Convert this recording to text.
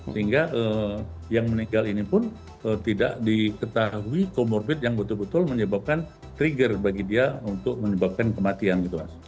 sehingga yang meninggal ini pun tidak diketahui comorbid yang betul betul menyebabkan trigger bagi dia untuk menyebabkan kematian gitu mas